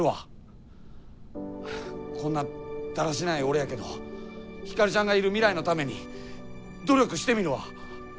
こんなだらしない俺やけどヒカルちゃんがいる未来のために努力してみるわ！